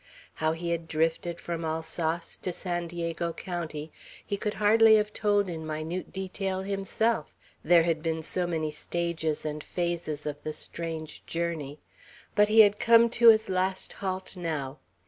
How he had drifted from Alsace to San Diego County, he could hardly have told in minute detail himself, there had been so many stages and phases of the strange journey; but he had come to his last halt now.